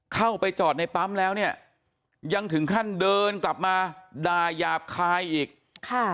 เข้าไปจอดในปั๊มแล้วเนี่ยยังถึงขั้นเดินกลับมาด่ายาบคายอีกค่ะ